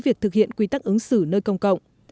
việc thực hiện quy tắc ứng xử nơi công cộng